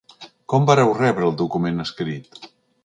Com vàreu rebre el document escrit?